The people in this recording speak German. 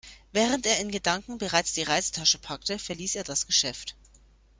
Während er in Gedanken bereits die Reisetasche packte, verließ er das Geschäft.